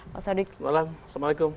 mas wadik assalamualaikum